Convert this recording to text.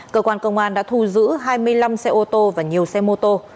cơ quan công an đã thu giữ hai mươi năm xe ô tô và nhiều xe mô tô